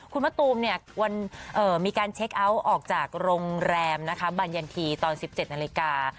คุณมะตูมมีการเช็คเอาท์ออกจากโรงแรมนะคะบรรยันทีตอน๑๗นาฬิกา